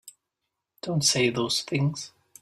Don't say those things!